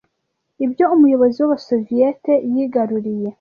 Ibyo umuyobozi w'Abasoviyeti yigaruriye